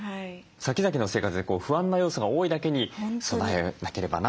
先々の生活で不安な要素が多いだけに備えなければなというふうに思いますね。